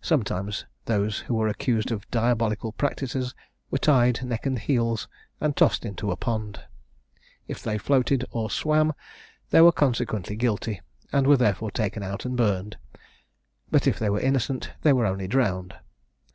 Sometimes those who were accused of diabolical practices, were tied neck and heels, and tossed into a pond: if they floated or swam, they were consequently guilty, and were therefore taken out and burned; but if they were innocent, they were only drowned.